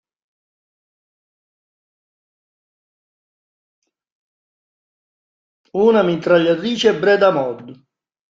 Una mitragliatrice Breda Mod.